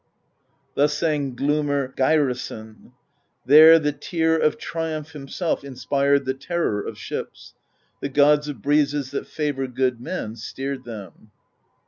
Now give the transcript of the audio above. Thus sang Glumr Geirason: There the Tyr of Triumph Himself inspired the terror Of ships; the gods of breezes That favor good men steered them.